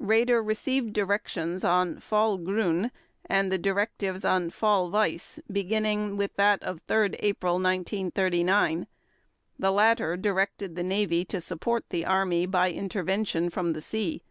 Raeder received directives on "Fall Grün" and the directives on "Fall Weiss" beginning with that of 3 April 1939; the latter directed the Navy to support the Army by intervention from the sea.